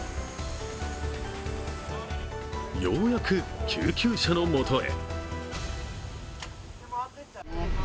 ようやく救急車のもとへ。